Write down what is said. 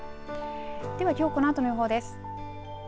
ではきょうこのあとの予報です。